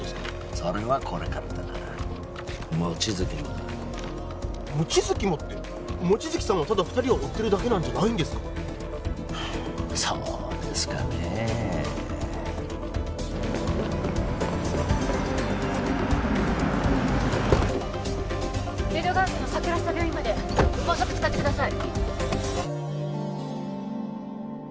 それはこれからだな望月もだ望月もって望月さんはただ２人を追ってるだけなんじゃないんですかそうですかね江戸川区の桜下病院まで高速使ってください